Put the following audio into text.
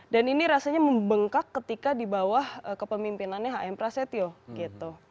dan ini rasanya membengkak ketika di bawah kepemimpinannya hm prasetyo gitu